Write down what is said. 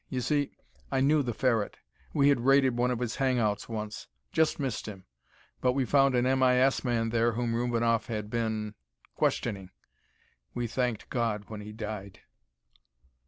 You see, I knew the Ferret. We had raided one of his hangouts once; just missed him. But we found an M.I.S. man there whom Rubinoff had been questioning. We thanked God when he died.